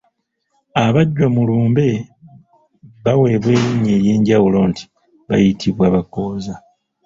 Abajjwa mu lumbe baweebwa erinnya ery’enjawulo anti bayitibwa abakooza.